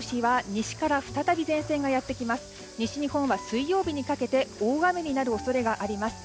西日本は水曜日にかけて大雨になる恐れがあります。